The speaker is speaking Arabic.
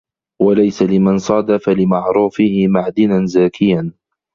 وَلَيْسَ لِمَنْ صَادَفَ لِمَعْرُوفِهِ مَعْدِنًا زَاكِيًا